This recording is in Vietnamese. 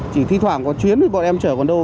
chỉ thi thoảng có chuyến thì bọn em chở còn đâu